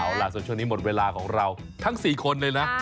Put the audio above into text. เอาล่ะส่วนช่วงนี้หมดเวลาของเราทั้ง๔คนเลยนะ